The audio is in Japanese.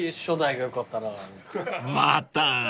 ［また！］